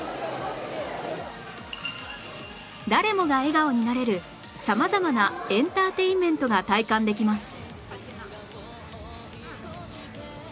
誰もが笑顔になれる様々なエンターテインメントが体感できます